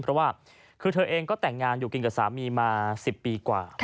เพราะว่าคือเธอเองก็แต่งงานอยู่กินกับสามีมา๑๐ปีกว่า